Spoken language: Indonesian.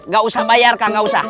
gak usah bayar kang gak usah